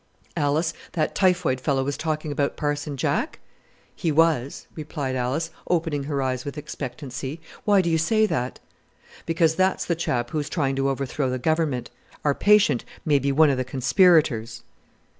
"Alice, that typhoid fellow was talking about Parson Jack?" "He was," replied Alice, opening her eyes with expectancy. "Why do you say that?" "Because that's the chap who is trying to overthrow the Government. Our patient may be one of the conspirators."